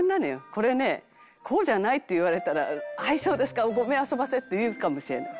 「これね“こうじゃない”って言われたら“はいそうですかごめんあそばせ”って言うかもしれない」